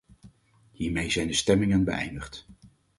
Hiermee zijn de stemmingen beëindigd.